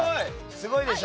すごいでしょ？